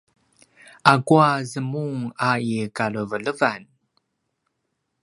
akua zemung a i kalevelevan?